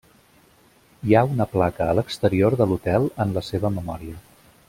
Hi ha una placa a l'exterior de l'hotel en la seva memòria.